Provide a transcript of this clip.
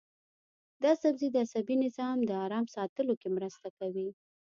دا سبزی د عصبي نظام د ارام ساتلو کې مرسته کوي.